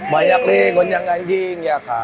banyak nih gonjang ganjing